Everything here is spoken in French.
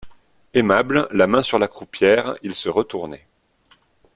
Aimable, la main sur la croupière, il se retournait.